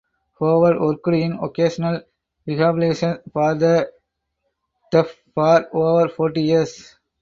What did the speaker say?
Howard worked in vocational rehabilitation for the deaf for over forty years.